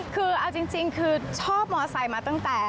คือเอาจริงคือชอบมอไซค์มาตั้งแต่